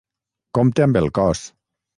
Compte amb el cos!